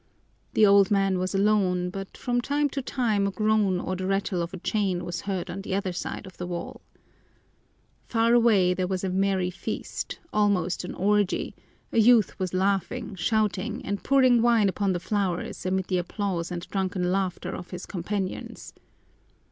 The old man was alone, but from time to time a groan or the rattle of a chain was heard on the other side of the wall. Far away there was a merry feast, almost an orgy; a youth was laughing, shouting, and pouring wine upon the flowers amid the applause and drunken laughter of his companions.